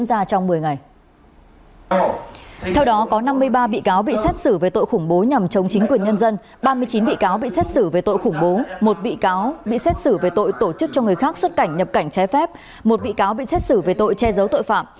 ba mươi chín bị cáo bị xét xử về tội khủng bố một bị cáo bị xét xử về tội tổ chức cho người khác xuất cảnh nhập cảnh trái phép một bị cáo bị xét xử về tội che giấu tội phạm